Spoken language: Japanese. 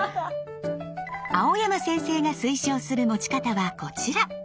蒼山先生が推奨する持ち方はコチラ！